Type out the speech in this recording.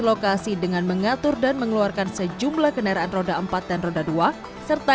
lokasi dengan mengatur dan mengeluarkan sejumlah kendaraan roda empat dan roda dua serta